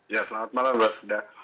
ya selamat malam mbak